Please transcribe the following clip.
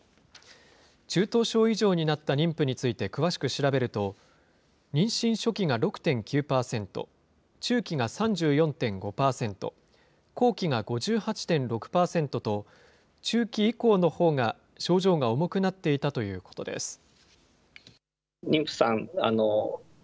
中等症以上になった妊婦について詳しく調べると、妊娠初期が６．９％、中期が３４．５％、後期が５８．６％と、中期以降のほうが、症状が重くなっていたということです。